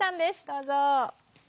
どうぞ。